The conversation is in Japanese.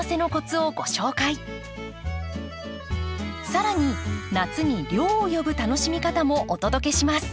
更に夏に涼を呼ぶ楽しみ方もお届けします。